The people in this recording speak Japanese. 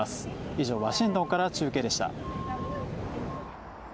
以上、ワシントンから中継でした。